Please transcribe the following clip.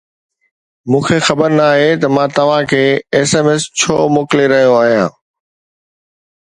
مون کي خبر ناهي ته مان توهان کي ايس ايم ايس ڇو موڪلي رهيو آهيان